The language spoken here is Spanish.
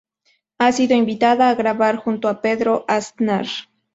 Ha sido invitada a grabar junto a Pedro Aznar.